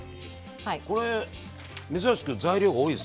これ珍しく材料が多いですね。